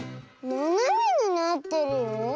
ななめになってるよ。